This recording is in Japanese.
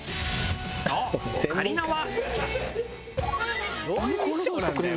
そうオカリナは。